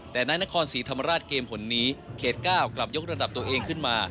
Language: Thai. แต่ในนครศรีธรรมราชเกมผลนี้เขต๙กลับยกระดับตัวเองขึ้นมา